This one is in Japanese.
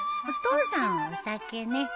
お父さんはお酒ね。